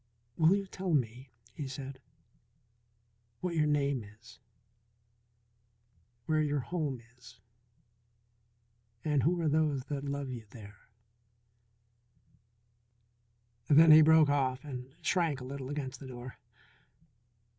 "Will you tell me," he said, "what your name is, where your home is, and who are those that love you there?" Then he broke off and shrank a little against the door.